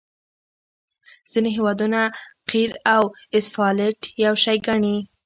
ځینې هیوادونه قیر او اسفالټ یو شی ګڼي